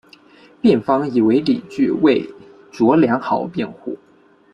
辩方以为理据为卓良豪辩护。